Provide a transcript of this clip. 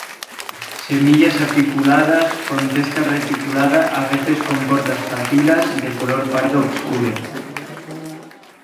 Semillas apiculadas, con testa reticulada, a veces con cortas papilas, de color pardo obscuro.